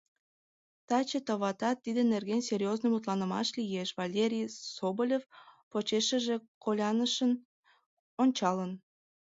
«Таче, товатат, тидын нерген серьёзный мутланымаш лиеш», — Валерий Соболев почешыже колянышын ончалын.